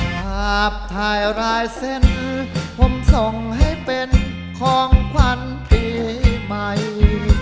ภาพถ่ายรายเส้นผมส่งให้เป็นของขวัญปีใหม่